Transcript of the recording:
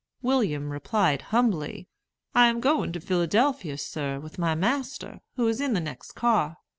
William replied humbly, "I am going to Philadelphia, sir, with my master, who is in the next car."